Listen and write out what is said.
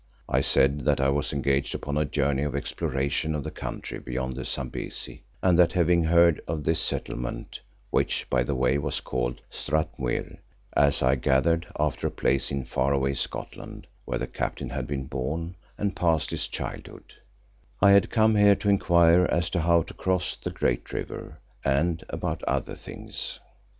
I said that I was engaged upon a journey of exploration of the country beyond the Zambesi, and that having heard of this settlement, which, by the way, was called Strathmuir, as I gathered after a place in far away Scotland where the Captain had been born and passed his childhood, I had come here to inquire as to how to cross the great river, and about other things.